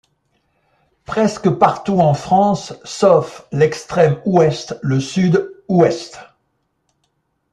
Presque partout en France sauf l'extrême ouest, le sud-ouest.